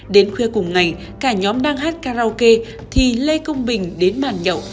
đến khuya cùng ngày cả nhóm đang hát karaoke thì lê công bình đến bàn nhậu